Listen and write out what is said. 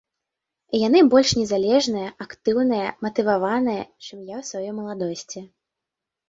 І яны больш незалежныя, актыўныя, матываваныя, чым я ў сваёй маладосці.